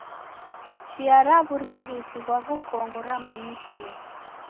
Chia ra w'urighiti ghwa w'ukongo ramanyikie.